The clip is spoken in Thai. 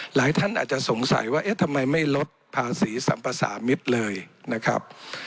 หลายท่านอาจจะสงสัยว่าเอ๊ะทำไมไม่ลดภาษีสัมภาษามิตรเลยนะครับ